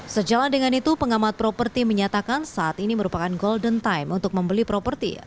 sejalan dengan itu pengamat properti menyatakan saat ini merupakan golden time untuk membeli properti